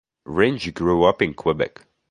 Ringe grew up in Quebec.